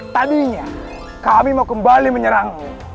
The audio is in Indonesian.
tadinya kami mau kembali menyerang